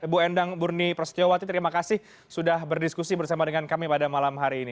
bu endang burni prasetyowati terima kasih sudah berdiskusi bersama dengan kami pada malam hari ini